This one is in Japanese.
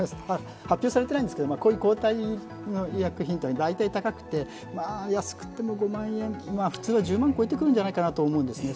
発表されてないんですけれども、こういう抗体の薬品というのは大体高くて、安くても５万円、普通は１０万超えてくるんじゃないかと思うんです。